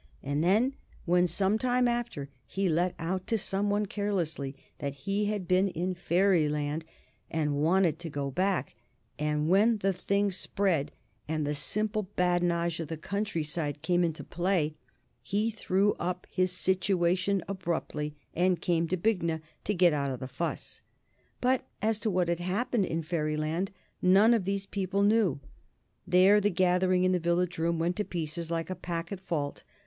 And then when, some time after, he let out to some one carelessly that he had been in Fairyland and wanted to go back, and when the thing spread and the simple badinage of the countryside came into play, he threw up his situation abruptly, and came to Bignor to get out of the fuss. But as to what had happened in Fairyland none of these people knew. There the gathering in the Village Room went to pieces like a pack at fault.